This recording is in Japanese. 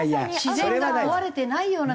自然が壊れてないような所に。